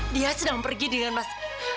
dia sedang pergi dengan mas